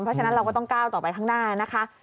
เพราะฉะนั้นเราก็ต้องก้าวต่อไปข้างหน้านะคะ